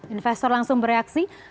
investor langsung bereaksi